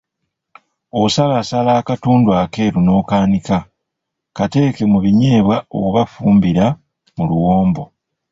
Osalaasala akatundu akeeru n’okaanika, kateeke mu binyeebwa oba fumbira mu luwombo.